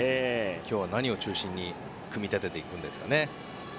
今日は何を中心に組み立てていくんですかね。